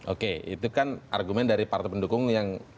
oke itu kan argumen dari partai pendukung yang